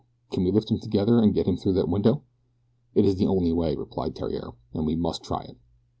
Can we lift him together and get him through that window?" "It is the only way," replied Theriere, "and we must try it."